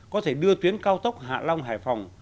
có thể đưa tuyến cao tốc hạ long hải phòng